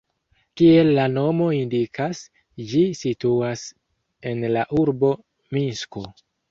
Kiel la nomo indikas, ĝi situas en la urbo Minsko.